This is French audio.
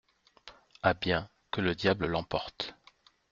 Ah bien ! que le diable l’emporte !